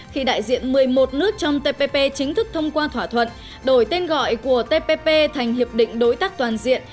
khi đại diện một mươi một nước trong tpp chính thức thông qua thỏa thuận đổi tên gọi của tpp thành hiệp định đối tác toàn diện